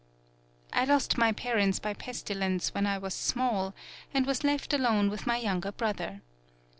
I lost my parents by pestilence when I was small, and was left alone with my younger brother.